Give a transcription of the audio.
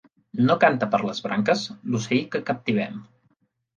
No canta per les branques l'ocell que captivem.